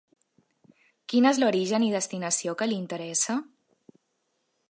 Quin és l'origen i destinació que li interessa?